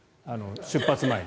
出発前に。